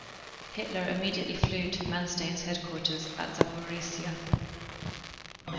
Hitler immediately flew to Manstein's headquarters at Zaporizhia.